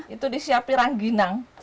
itu disiapin rangginang